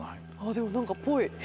でも何かっぽい。